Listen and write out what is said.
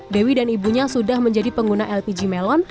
dewi dan ibunya sudah menjadi pengguna lpg melon